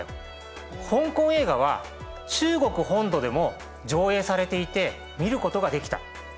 香港映画は中国本土でも上映されていて見ることができた。